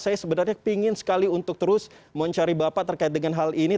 saya sebenarnya ingin sekali untuk terus mencari bapak terkait dengan hal ini